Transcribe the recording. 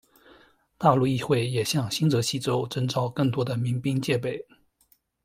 大陆议会也向新泽西州征召更多民兵戒备。